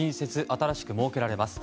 新しく設けられます。